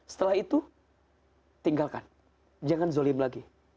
setelah itu tinggalkan jangan zolim lagi